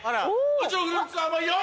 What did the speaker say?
・うちのフルーツは甘いよ！